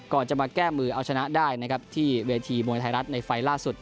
ก่อนจะมาแก้มือเอาชนะได้นะครับที่เวทีมวยไทยรัฐในไฟล์ล่าสุด